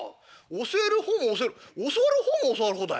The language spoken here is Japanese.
教える方も教える教わる方も教わる方だよ。